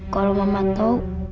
kalau mama tau